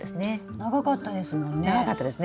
長かったですね。